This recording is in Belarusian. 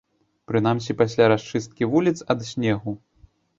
Прынамсі, пасля расчысткі вуліц ад снегу.